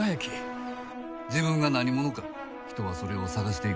自分が何者か人はそれを探していく。